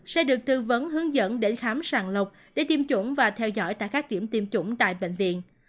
sẽ được tư vấn hướng dẫn để khám sàng lọc để tiêm chủng và theo dõi tại các điểm tiêm chủng tại bệnh viện